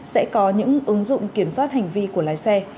sẽ có những ứng dụng kiểm soát hành vi của lái xe